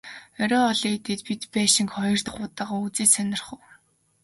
Оройн хоолоо идээд бид байшинг хоёр дахь удаагаа үзэж сонирхов.